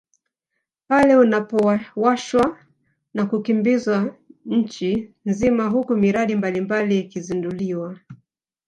Pale unapowashwa na kukimbizwa nchi nzima huku miradi mbalimbali ikizinduliwa